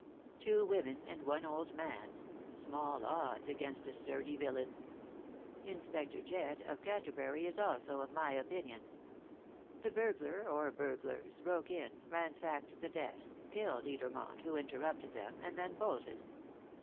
Two women and one old man small odds against a sturdy villain. Inspector Jedd, of Canterbury, is also of my opinion. The burglar, or burglars, broke in, ransacked the desk, killed Edermont, who interrupted them, and then bolted.